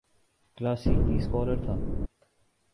کلاسیکی سکالر تھا۔